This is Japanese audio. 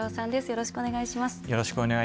よろしくお願いします。